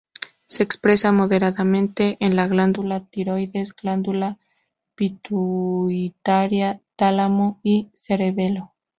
Se expresa moderadamente en la glándula tiroides, glándula pituitaria, tálamo y cerebelo.